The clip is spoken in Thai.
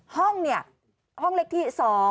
ห้องเนี่ยห้องเล็กที่๒๓๐๓